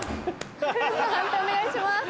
判定お願いします。